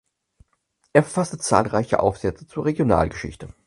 Er verfasste zahlreiche Aufsätze zur Regionalgeschichte.